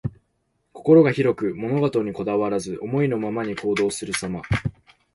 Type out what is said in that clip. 心が広く、物事にこだわらず、思いのままに行動するさま。